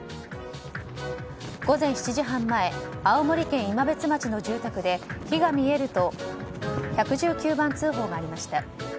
午前７時半前青森県今別町の住宅で火が見えると１１９番通報がありました。